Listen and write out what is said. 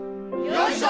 よいしょ！